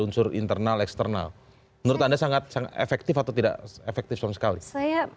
unsur internal eksternal menurut anda sangat sangat efektif atau tidak efektif soal